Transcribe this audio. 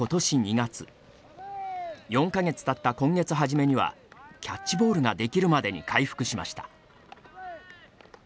４か月たった今月初めにはキャッチボールができるまでに回復しました。